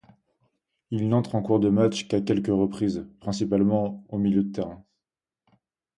Il n'entre en cours de matchs qu'à quelques reprises, principalement au milieu de terrain.